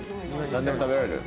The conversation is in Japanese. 何でも食べられる？